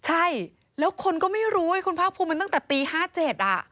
ใช่แล้วคนก็ไม่รู้เหมือนตั้งแต่ปี๑๙๕๗อ่ะ